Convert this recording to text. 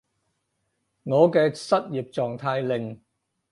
我嘅失業狀態令